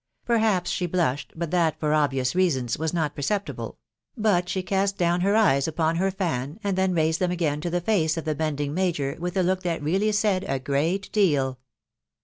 Perhaps she* blushed, but that, for obvious ■ reasons, was not perceptible ; but she cast down her eyes upon B ber fan, and then raised them again tQ the face of the bending J major with a look that really said a great deal.